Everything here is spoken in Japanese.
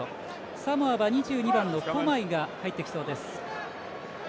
サモアは２２番のフォマイが入ってきそうです。